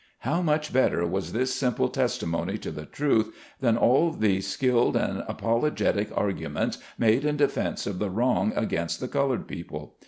How much better was this simple testi mony to the truth than all the skilled and apologetic arguments made in defence of the wrong against the colored people.